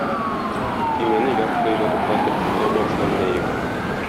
Көймәне яр кырыена туктатып, тау башына менә егет.